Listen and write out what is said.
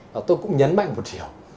và tôi cũng nhấn mạnh một điều